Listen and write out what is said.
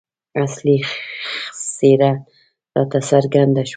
اصلي څېره راته څرګنده شوه.